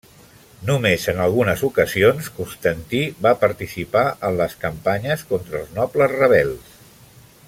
Només en algunes ocasions Constantí va participar en les campanyes contra els nobles rebels.